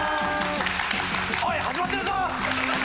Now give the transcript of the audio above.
おーい始まってるぞ！